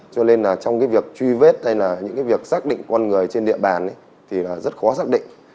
cho nên là trong cái việc truy vết hay là những cái việc xác định con người trên địa bàn thì là rất khó xác định